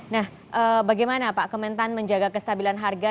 nah bagaimana pak kementan menjaga kestabilan harga